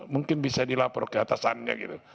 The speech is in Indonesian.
mungkin bisa dilapor keatasannya gitu